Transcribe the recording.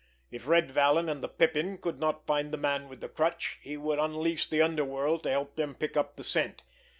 If Red Vallon and the Pippin could not find the Man with the Crutch, he would unleash the underworld to help them pick up the scent.